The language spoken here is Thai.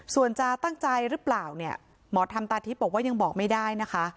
ส่วนจะตั้งใจหรือเปล่าเนี่ยหมอธรรมตาทิพย์บอกว่ายังบอกไม่ได้นะคะ